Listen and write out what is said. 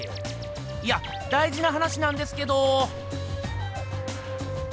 いやだいじな話なんですけど！